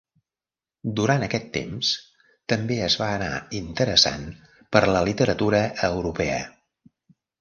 Durant aquest temps, també es va anar interessant per la literatura europea.